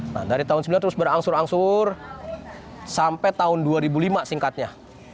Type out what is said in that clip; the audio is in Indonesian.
nah dari tahun sembilan terus berangsur angsur sampai tahun dua ribu lima singkatnya